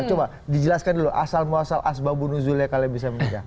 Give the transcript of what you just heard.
coba dijelaskan dulu asal muasal asbabunuzulnya kalian bisa menikah